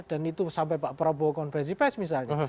dan itu sampai pak prabowo konfirmasi pes misalnya